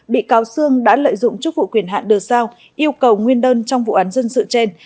bị cáo sương đã lợi dụng chức vụ quyền hạn được sao yêu cầu nguyên đơn trong vụ án dân sự trên